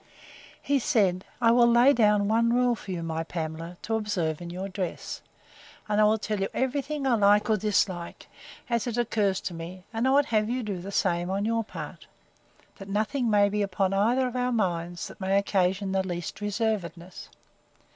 He said, I will lay down one rule for you, my Pamela, to observe in your dress; and I will tell you every thing I like or dislike, as it occurs to me: and I would have you do the same, on your part; that nothing may be upon either of our minds that may occasion the least reservedness.